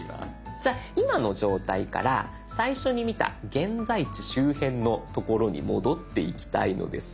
じゃあ今の状態から最初に見た現在地周辺の所に戻っていきたいのですが。